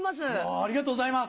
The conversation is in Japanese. ありがとうございます。